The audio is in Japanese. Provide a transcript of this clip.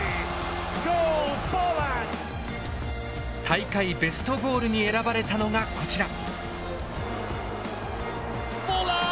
大会ベストゴールに選ばれたのがこちら。